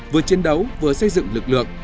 vừa chiến đấu vừa xây dựng lực lượng